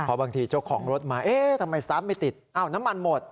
พอบางทีเจ้าของรถมาเอ๊ะทำไมสตาร์ทไม่ติดอ้าวน้ำมันหมด